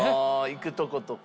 行くとことか。